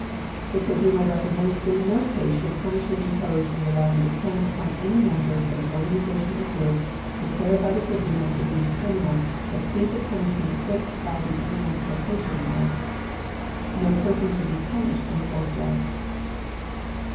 The Tribunal recommends that in no case should punishment imposed under Law No. 10 upon any members of an organization or group declared by the Tribunal to be criminal exceed the punishment fixed by the De Nazification Law. No person should be punished under both laws.